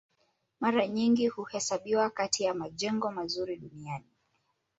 Mara nyingi huhesabiwa kati ya majengo mazuri duniani.